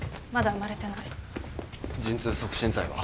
陣痛促進剤は？